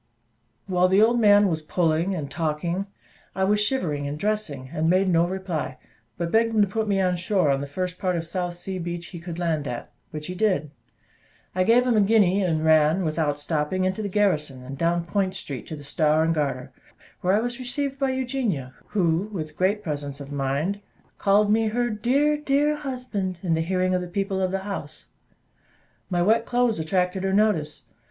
While the old man was pulling and talking, I was shivering and dressing, and made no reply; but begged him to put me on shore on the first part of South Sea Beach he could land at, which he did. I gave him a guinea, and ran, without stopping, into the garrison, and down Point Street to the Star and Garter, where I was received by Eugenia, who, with great presence of mind, called me her "dear, dear husband!" in the hearing of the people of the house. My wet clothes attracted her notice.